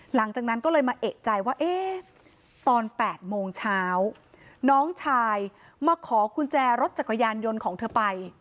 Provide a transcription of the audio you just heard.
หลังจากนั้นก็เลยมาเอกใจว่าเอ๊ะตอน๘โมงเช้าน้องชายมาขอกุญแจรถจักรยานยนต์ของเธอไป